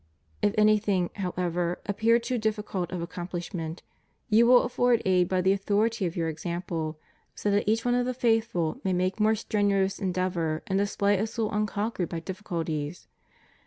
If anything, however, appear too difficult of accomplishment, you will afford aid by the authority of your example, so that each one of the faithful may make more strenuous endeavor, and display a soul unconquered by difficulties.